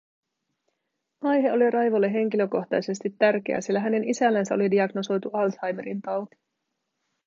Aihe oli Raivolle henkilökohtaisesti tärkeä, sillä hänen isällänsä oli diagnosoitu Alzheimerin tauti.